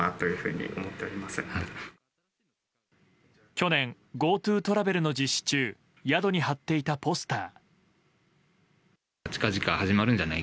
去年、ＧｏＴｏトラベルの実施中宿に貼っていたポスター。